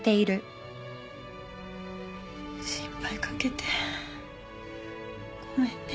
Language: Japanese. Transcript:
心配掛けてごめんね。